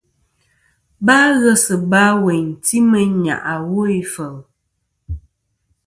Ba ghes ba wêyn ti meyn nyàʼ awo ifeli.